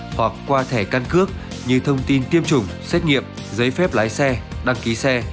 hoặc qua thẻ căn cước như thông tin tiêm chủng xét nghiệm giấy phép lái xe đăng ký xe